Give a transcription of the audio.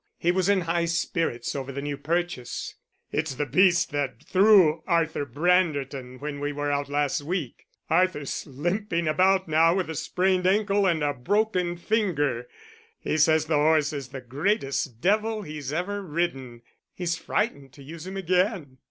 He was in high spirits over the new purchase. "It's the beast that threw Arthur Branderton when we were out last week.... Arthur's limping about now with a sprained ankle and a broken finger. He says the horse is the greatest devil he's ever ridden; he's frightened to use him again."